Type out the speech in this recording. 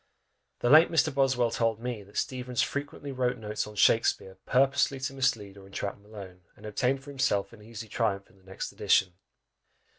The late Mr. Boswell told me, that Steevens frequently wrote notes on Shakspeare, purposely to mislead or entrap Malone, and obtain for himself an easy triumph in the next edition!